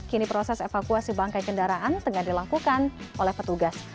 kini proses evakuasi bangkai kendaraan tengah dilakukan oleh petugas